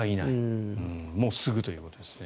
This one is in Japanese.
もうすぐということですね。